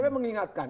ini aja saya ingatkan